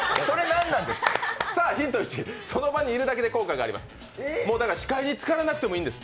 ヒント１、その場にいるだけで効果があるんです。